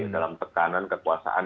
dalam tekanan kekuasaan